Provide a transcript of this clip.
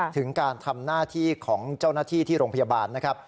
ถึงการทำหน้าที่ของเจ้าหน้าที่ที่โรงพยาบาลนะครับ